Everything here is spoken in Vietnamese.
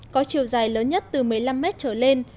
có chiều dài lớn nhất từ một mươi năm mét trở lên